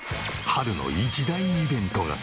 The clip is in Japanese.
春の一大イベントが。